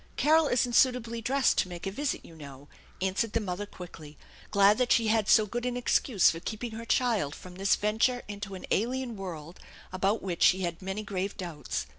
Carol isn't suitably dressed to make a visit, you know," answered tha mother quickly, glad that she had so good an excuse for keep ing her child from this venture into an alien world about which she had many grave doubts.